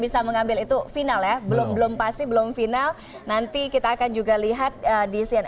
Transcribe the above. bisa mengambil itu final ya belum belum pasti belum final nanti kita akan juga lihat di cnn